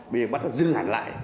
bây giờ bắt nó dưng hẳn lại